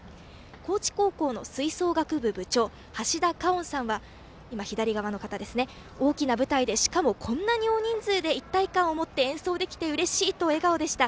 高知高校の吹奏楽部部長はしださんは大きな舞台でしかもこんなに大人数で一体感を持って演奏できてうれしいと笑顔でした。